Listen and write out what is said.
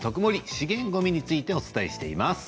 資源ごみについてお伝えしています。